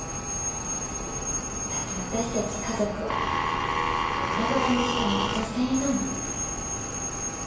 だって私たち家族をバラバラにしたの不動産屋だもんね。